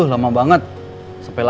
kalau masih sakit sih